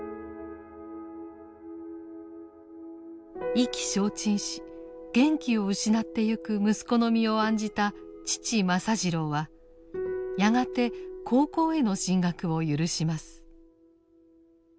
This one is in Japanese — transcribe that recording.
意気消沈し元気を失ってゆく息子の身を案じた父政次郎はやがて高校への進学を許します。